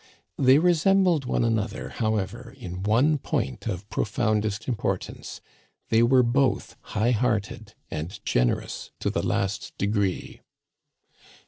They resembled one another, how ever, in one point of profoundest importance ; they were both high hearted and generous to the last degree.